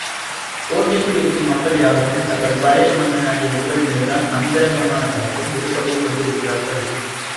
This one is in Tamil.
கோட்டைக்குள் இருக்கும் மக்கள் யாவரும் தங்கள் பழை மன்னனாகிய உங்கள்மேல்தான் அந்தரங்கமான பற்றும் விருப்பமும் கொண்டிருக்கிறார்கள்.